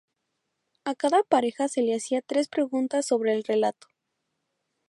A cada pareja se le hacía tres preguntas sobre el relato.